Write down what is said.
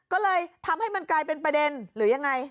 ก็เลยทำให้มันกลายเป็นประเด็นหรือยังไง